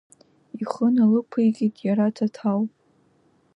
Ихы налықәикит иара Ҭаҭал.